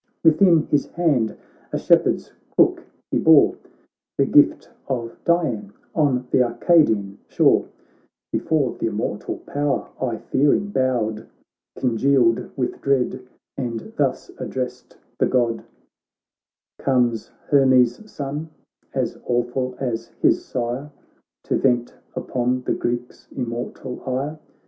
Within his hand a shepherd's crook he bore. The gift of Dian on th' Arcadian shore ; Before th' immortal power I, fearing, bowed, Congealed with dread, and thus ad dressed the God : "Comes Hermes' son, as awful as his sire, To vent upon the Greeks immortal ire